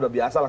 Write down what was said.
udah biasa lah